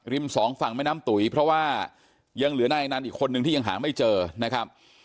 สองฝั่งแม่น้ำตุ๋ยเพราะว่ายังเหลือนายอนันต์อีกคนนึงที่ยังหาไม่เจอนะครับ